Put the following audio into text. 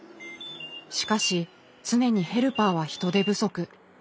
しかし常にヘルパーは人手不足。